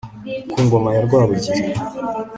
ku ngoma ya rwabugiri